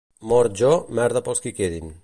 Mort jo, merda pels qui quedin.